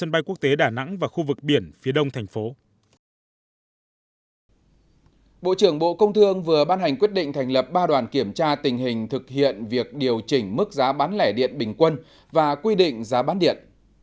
bộ trưởng bộ công thương vừa ban hành quyết định thành lập ba đoàn kiểm tra tình hình thực hiện việc điều chỉnh mức giá bán lẻ điện bình quân và quy định giá bán điện